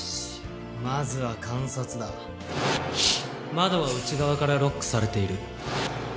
窓は内側からロックされている